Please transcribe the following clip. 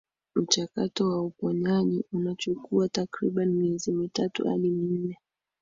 Mchakato wa uponyaji unachukua takribani miezi mitatu hadi minne